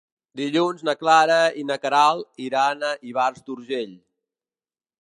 Dilluns na Clara i na Queralt iran a Ivars d'Urgell.